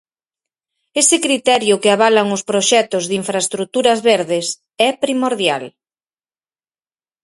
Ese criterio que avalan os proxectos de infraestruturas verdes é primordial.